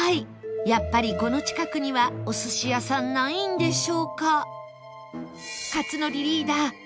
やっぱりこの近くにはお寿司屋さんないんでしょうか？